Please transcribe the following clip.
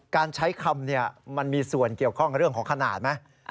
การใช้คำมันมีส่วนเกี่ยวข้องเรื่องของขนาดไหม